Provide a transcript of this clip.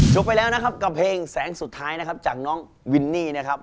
ไปแล้วนะครับกับเพลงแสงสุดท้ายนะครับจากน้องวินนี่นะครับ